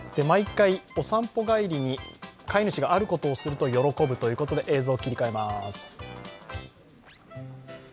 毎回、お散歩帰りに飼い主があることをすると喜ぶということで映像を切り替えます。